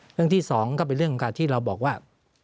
เรื่องที่๒ก็เป็นเรื่องที่เราบอกว่า